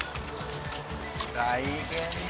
大変だ。